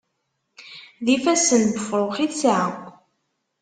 D ifassen n wefṛux i tesɛa.